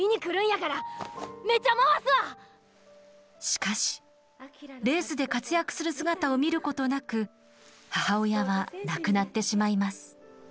しかしレースで活躍する姿を見ることなく母親は亡くなってしまいます。